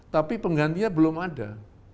tapi penggantinya belum ada